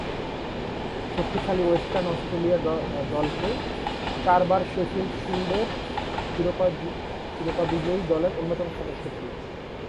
শক্তিশালী Western Australia দলকে চারবার শেফিল্ড শিল্ডের শিরোপা বিজয়ী দলের অন্যতম সদস্য ছিলেন।